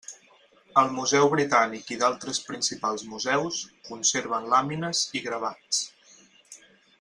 El Museu Britànic i d'altres principals museus conserven làmines i gravats.